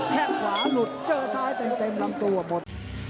แค่งขวาหลุดเจอซ้ายเต็มลำตัวหมด